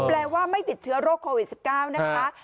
แปลว่าไม่ติดเชื้อโรคโควิด๑๙นะคะ